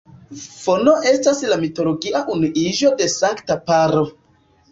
Fono estis la mitologia unuiĝo de sankta paro.